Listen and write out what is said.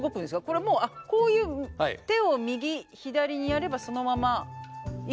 これもうこういう手を右左にやればそのまま行くのか？